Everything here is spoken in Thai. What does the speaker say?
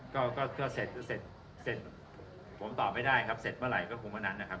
ก็เซ็ตผมตอบไม่ได้ครับเสร็จเมื่อไหร่ก็คุ้มกันนะครับ